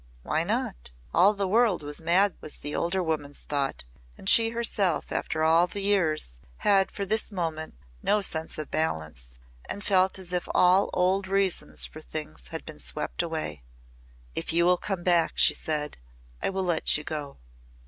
Why not? All the world was mad was the older woman's thought, and she herself after all the years, had for this moment no sense of balance and felt as if all old reasons for things had been swept away. "If you will come back," she said. "I will let you go."